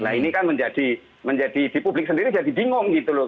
nah ini kan menjadi di publik sendiri jadi bingung gitu loh